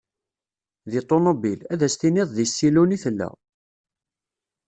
Di ṭunubil, ad as-tiniḍ di ssilun i tella.